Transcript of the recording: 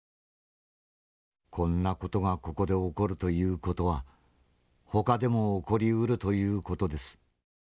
こんな事がここで起こるという事はほかでも起こりうるという事です。